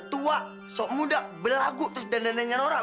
tua sok muda berlagu terus dandan dandan yang norak